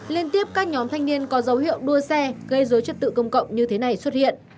liên tiếp các nhóm thanh niên có dấu hiệu đua xe gây dối trật tự công cộng như thế này xuất hiện